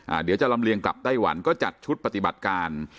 เดี๋ยวจะลำเลียงกลับไต้หวันก็จัดชุดปฏิบัติการ